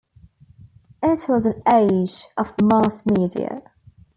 It was an age of Mass media.